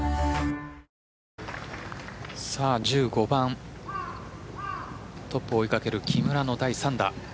１５番、トップを追いかける木村の第３打。